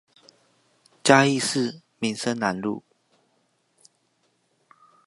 嘉義市民生南路